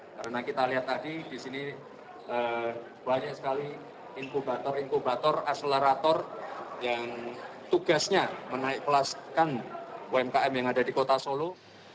karena kita lihat tadi disini banyak sekali inkubator inkubator akselerator yang tugasnya menaikkelaskan umkm yang ada di kota solo